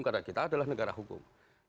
karena kita adalah negara hukum